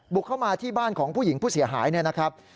เข้ามาที่บ้านของผู้หญิงผู้เสียหายเนี่ยนะครับ